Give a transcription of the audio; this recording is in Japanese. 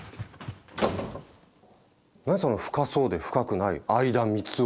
なにその深そうで深くない相田みつを。